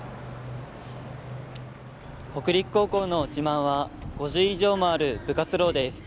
北陸高校の自慢は５０以上もある部活動です。